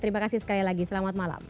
terima kasih sekali lagi selamat malam